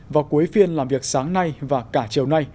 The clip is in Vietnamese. vào cuối phiên làm việc sáng nay và cả chiều nay